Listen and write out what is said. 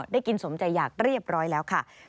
กินสมใจอยากเรียบร้อยแล้วค่ะ